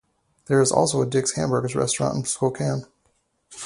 There is also a Dick's Hamburgers restaurant in Spokane.